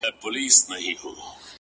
ښكلي چي گوري! دا بيا خوره سي!